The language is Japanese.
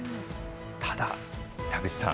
ただ、田口さん。